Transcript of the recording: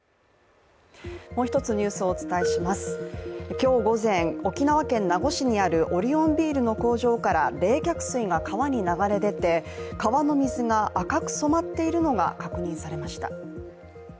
今日午前、沖縄県名護市にあるオリオンビールの工場から冷却水が川に流れ出て、川の水が赤く染まっているのが確認されました。